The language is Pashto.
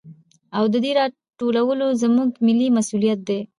او د دې راټولو زموږ ملي مسوليت دى.